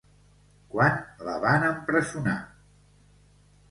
Quan la van empresonar?